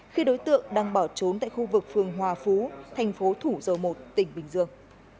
khi đối tượng đang bỏ trốn tại khu vực phường hòa phú thành phố thủ dầu một tỉnh bình dương